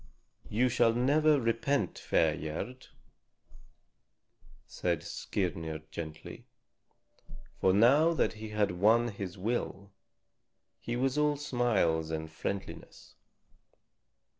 "You shall never repent, fair Gerd," said Skirnir gently. For now that he had won his will, he was all smiles and friendliness.